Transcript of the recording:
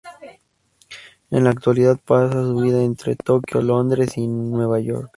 En la actualidad pasa su vida entre Tokio, Londres y Nueva York.